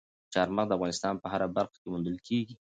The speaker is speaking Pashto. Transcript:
چار مغز د افغانستان په هره برخه کې موندل کېږي.